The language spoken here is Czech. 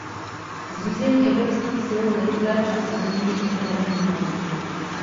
Zřízení Evropských sil rychlého nasazení je proto nevyhnutelné.